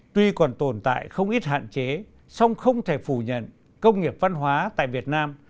tuy còn tồn tại không ít hạn chế song không thể phủ nhận công nghiệp văn hóa tại việt nam